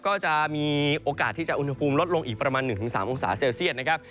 ก็จะมีโอกาสที่จะอุณหภูมิลดลงอีกประมาณ๑๓องศาเซลเซียตนะครับ